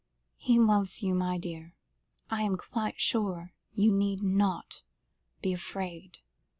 He loves you, my dear. I am quite sure you need not be afraid."